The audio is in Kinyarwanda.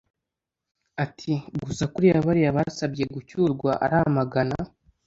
Ati: "Gusa kuriya bariya basabye gucyurwa ari amagana,